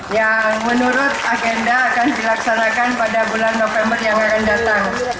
yang menurut agenda akan dilaksanakan pada bulan november yang akan datang